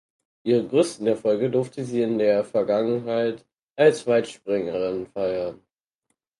Ihre größten Erfolge durfte sie in der Vergangenheit als Weitspringerin feiern.